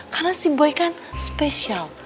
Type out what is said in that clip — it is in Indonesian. karena si boy kan spesial